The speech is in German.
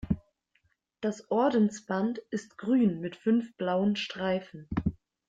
Das Ordensband ist grün mit fünf blauen Streifen.